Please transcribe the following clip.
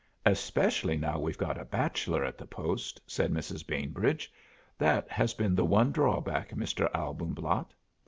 "Especially now we've got a bachelor at the post!" said Mrs. Bainbridge. "That has been the one drawback, Mr. Albumblatt."